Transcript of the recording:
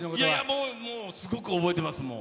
もうすごく覚えてますもん。